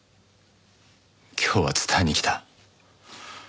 今日は伝えに来た。